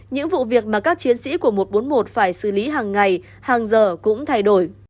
những vụ việc mà các chiến sĩ của một trăm bốn mươi một phải xử lý hàng ngày hàng giờ cũng thay đổi